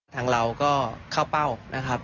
ทางเราก็เข้าเป้านะครับ